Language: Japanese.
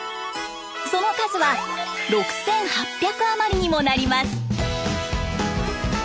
その数は６，８００余りにもなります。